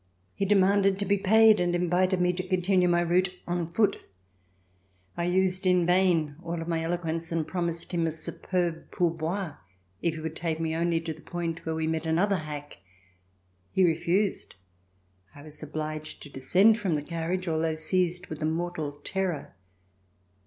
He demanded to be paid and invited me to continue my route on foot. I used in vain all of my eloquence and promised him a superb pourboire if he would take me only to the point where we met another hack. He refused. I was obliged to descend from the carriage, although seized with a mortal terror.